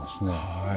はい。